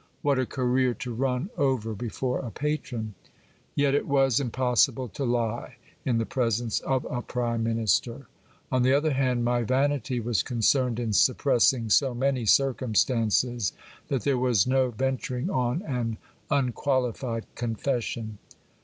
What a career to run over before a patron ! Yet it was impossible to lie, in the presence of a prime minister. On ■ the other hand, my vanity was concerned in suppressing so many circumstances, that there was no venturing on an unqualified confession.